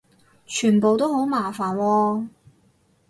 全部都好麻煩喎